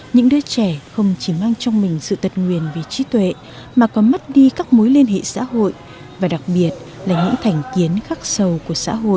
những đứa trẻ không chỉ mang trong mình sự tật nguyền về trí tuệ mà có mất đi các mối liên hệ xã hội và đặc biệt là những thành kiến khắc sầu